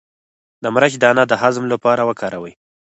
د مرچ دانه د هضم لپاره وکاروئ